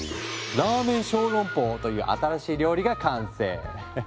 ラーメン小籠包という新しい料理が完成！